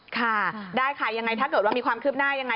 ค่ะได้ค่ะยังไงถ้าเกิดว่ามีความคืบหน้ายังไง